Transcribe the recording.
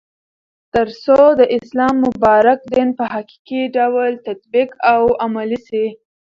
ترڅو د اسلام مبارک دين په حقيقي ډول تطبيق او عملي سي